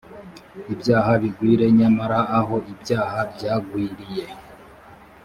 ibyaha bigwire nyamara aho ibyaha byagwiriye